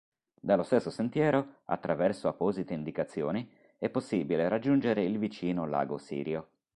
Dallo stesso sentiero, attraverso apposite indicazioni, è possibile raggiungere il vicino Lago Sirio.